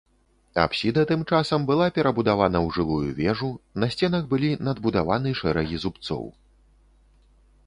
Апсіда тым часам была перабудавана ў жылую вежу, на сценах былі надбудаваны шэрагі зубцоў.